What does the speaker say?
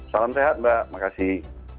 salam sehat mbak makasih